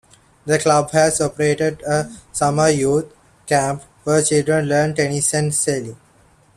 The club has operated a summer youth camp, where children learn tennis and sailing.